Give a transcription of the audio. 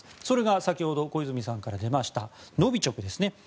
それが先ほど小泉さんから出ました、ノビチョクですね。